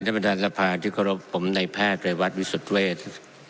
ท่านประธานทรัพย์ที่เคารพผมในแพทย์ในวัดวิสุทธิ์เวทย์